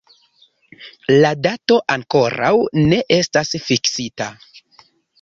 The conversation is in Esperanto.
La dato ankoraŭ ne estas fiksita.